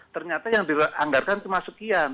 ternyata yang dianggarkan cuma sekian